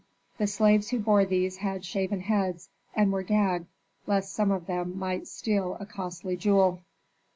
The slaves who bore these had shaven heads and were gagged lest some one of them might steal a costly jewel.